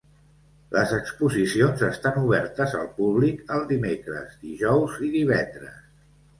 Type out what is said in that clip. Les exposicions estan obertes al públic el dimecres, dijous i divendres.